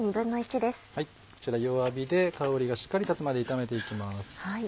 弱火で香りがしっかり立つまで炒めていきます。